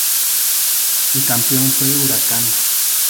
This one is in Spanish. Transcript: El campeón fue Huracán.